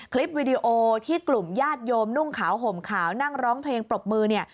คลิปวิดีโอที่กลุ่มญาติโยมนุ่งขาวห่มขาวนั่งร้องเพลงปรบมือเนี่ย